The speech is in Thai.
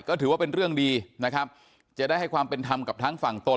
ก็ถือว่าเป็นเรื่องดีนะครับจะได้ให้ความเป็นธรรมกับทั้งฝั่งตน